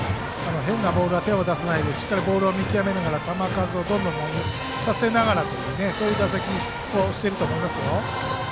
変なボールには手を出さないでボールを見極めながら球数をどんどん投げさせながらというそういう打席をしてると思います。